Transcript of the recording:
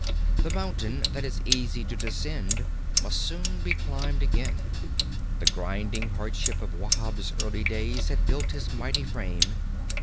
The mountain that is easy to descend must soon be climbed again. The grinding hardship of Wahb's early days had built his mighty frame.